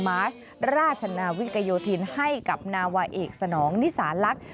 มาร์ชราชนาวิกโยธินให้กับนาวาเอกสนองนิสาลักษณ์